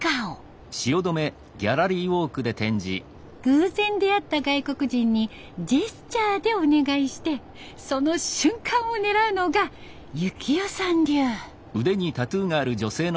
偶然出会った外国人にジェスチャーでお願いしてその瞬間を狙うのがゆきよさん流。